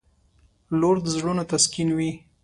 • لور د زړونو تسکین وي.